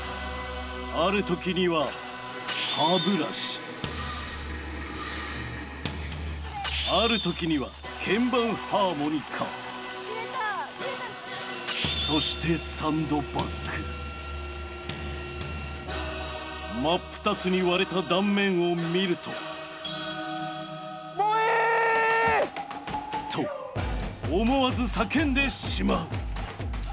ある時にはある時にはそして真っ二つに割れた断面を見ると。と思わず叫んでしまう。